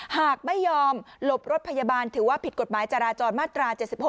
หากไม่ยอมหลบรถพยาบาลถือว่าผิดกฎหมายจราจรมาตรา๗๖